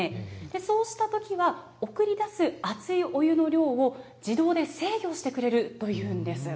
そうしたときは、送り出す熱いお湯の量を、自動で制御してくれるというんです。